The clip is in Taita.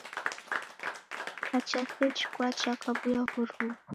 Kacha seji kwacha kwaw'uya w'oruw'o.